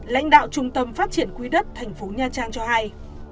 lãnh đạo trung tâm phát triển quỹ đất tp nha trang cho hay